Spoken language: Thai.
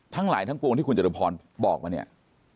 ทั้งหลายทั้งปวงที่คุณเจรพรบอกว่า